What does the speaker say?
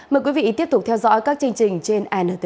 mời quý vị tiếp tục theo dõi các chương trình trên intv